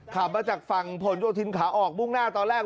ขับมาจากฝั่งผลโยธินขาออกมุ่งหน้าตอนแรก